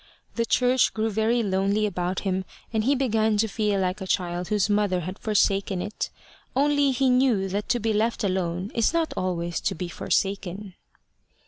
The church grew very lonely about him, and he began to feel like a child whose mother has forsaken it. Only he knew that to be left alone is not always to be forsaken.